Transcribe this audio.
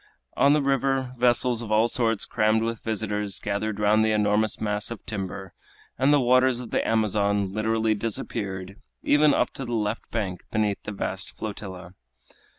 On the river, vessels of all sorts crammed with visitors gathered round the enormous mass of timber, and the waters of the Amazon literally disappeared even up to the left bank beneath the vast flotilla.